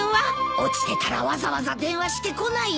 落ちてたらわざわざ電話してこないよ。